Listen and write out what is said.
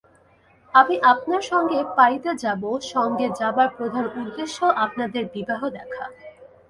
আমি আপনার সঙ্গে পারি-তে যাব, সঙ্গে যাবার প্রধান উদ্দেশ্য আপনাদের বিবাহ দেখা।